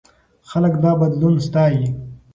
خلک دا بدلون ستایي.